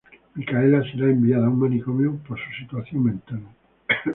Micaela será enviada a un manicomio por su situación mental.